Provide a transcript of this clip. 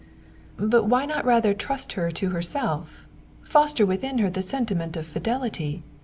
"But why not rather trust her to herself? Foster within her the sentiment of fidelity.